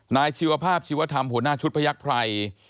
ชีวภาพชีวธรรมหัวหน้าชุดพยักษ์ไพร